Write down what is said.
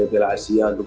ini maksudnya ram